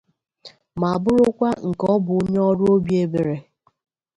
ma bụrụkwa nke ọ bụ onye ọrụ obi ebere